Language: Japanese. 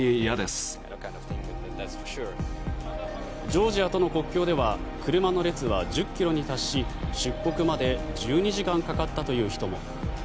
ジョージアとの国境では車の列は１０ｋｍに達し出国まで１２時間かかったという人も。